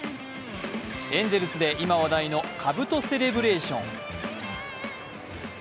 エンゼルスで今話題のかぶとセレブレーション。